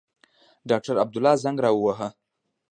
ډاکټر عبدالله زنګ را ووهه.